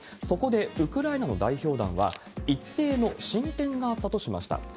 そこでウクライナの代表団は、一定の進展があったとしました。